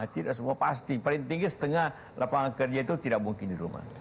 tidak semua pasti paling tinggi setengah lapangan kerja itu tidak mungkin di rumah